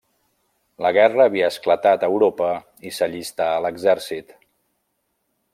La guerra havia esclatat a Europa i s'allistà a l'exèrcit.